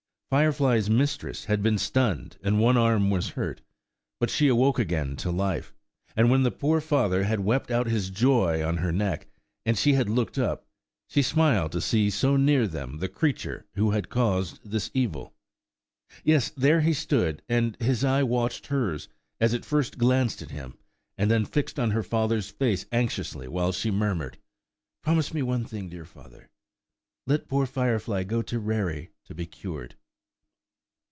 Firefly's mistress had been stunned and one arm was hurt, but she awoke again to life; and when the poor father had wept out his joy on her neck, and she had looked up, she smiled to see so near them the creature who had caused this evil. Yes, there he stood, and his eye watched hers, as it first glanced at him, and then fixed on her father's face anxiously, while she murmured, "Promise me one thing, dear father. Let poor Firefly go to Rarey to be cured."